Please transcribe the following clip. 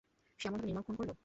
সে এমন নির্মমভাবে খুন হলো।